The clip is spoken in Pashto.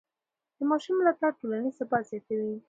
د ماشوم ملاتړ ټولنیز ثبات زیاتوي.